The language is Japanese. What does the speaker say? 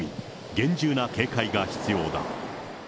厳重な警戒が必要だ。